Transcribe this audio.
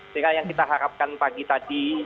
sehingga yang kita harapkan pagi tadi